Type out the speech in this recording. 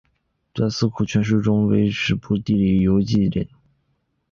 在四库全书之中为史部地理游记类。